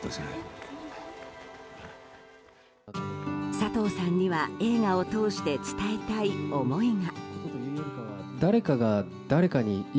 佐藤さんには映画を通して伝えたい思いが。